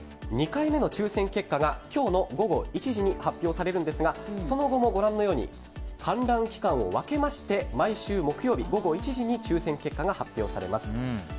２回目の抽選結果が今日の午後１時に発表されるんですがその後も、観覧期間を分けまして毎週木曜日午後１時に抽選結果が発表されます。